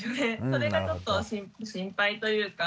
それがちょっと心配というか。